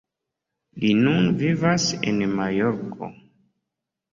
Li nun vivas en Majorko.